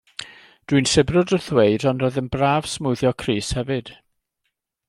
Dwi'n sibrwd wrth ddweud ond roedd yn braf smwddio crys hefyd.